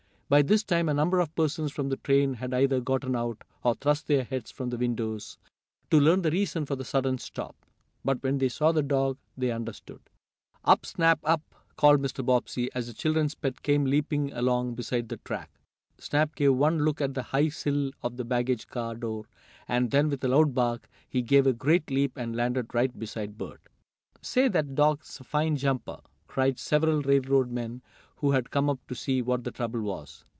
By this time a number of persons from the train had either gotten out, or thrust their heads from the windows, to learn the reason for the sudden stop. But when they saw the dog they understood. "Up, Snap! Up!" called Mr. Bobbsey, as the children's pet came leaping along beside the track. Snap gave one look up at the high sill of the baggage car door, and then, with a loud bark, he gave a great leap and landed right beside Bert. "Say, that dog's a fine jumper!" cried several railroad men who had come up to see what the trouble was.